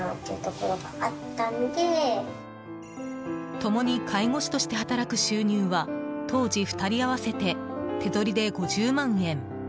共に介護士として働く収入は当時２人合わせて手取りで５０万円。